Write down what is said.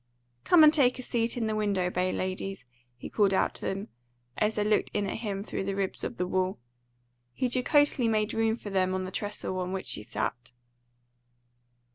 "Come and take a seat in the bay window, ladies," he called out to them, as they looked in at him through the ribs of the wall. He jocosely made room for them on the trestle on which he sat.